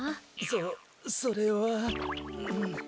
そそれは。